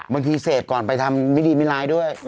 บางทีเสพก่อนไปทำไม่ดีไม่ร้ายด้วย